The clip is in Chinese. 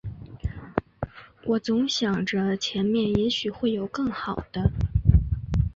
我总想着前面也许会有更好的